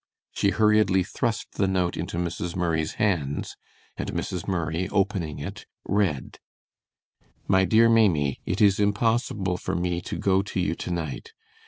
She hurriedly thrust the note into Mrs. Murray's hands, and Mrs. Murray, opening it, read: MY DEAR MAIMIE: It is impossible for me to go to you tonight.